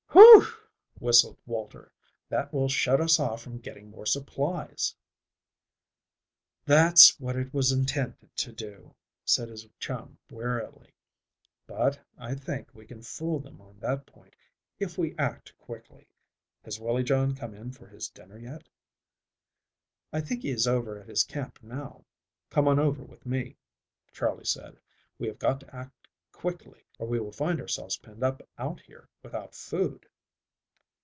"Whew!" whistled Walter, "that will shut us off from getting more supplies." "That's what it was intended to do," said his chum wearily, "but, I think, we can fool them on that point if we act quickly. Has Willie John come in for his dinner yet?" "I think he is over at his camp now." "Come on over with me," Charley said. "We have got to act quickly or we will find ourselves penned up out here without food."